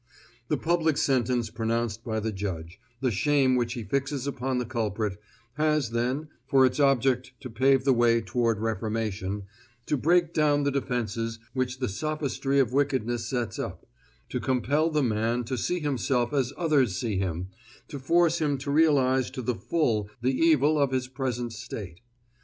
The public sentence pronounced by the judge, the shame which he fixes upon the culprit, has, then, for its object to pave the way toward reformation, to break down the defenses which the sophistry of wickedness sets up, to compel the man to see himself as others see him, to force him to realize to the full the evil of his present state.